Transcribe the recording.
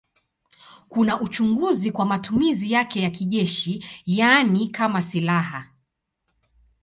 Kuna uchunguzi kwa matumizi yake ya kijeshi, yaani kama silaha.